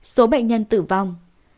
số bệnh nhân tử vong